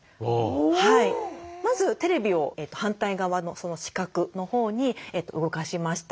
まずテレビを反対側の死角のほうに動かしました。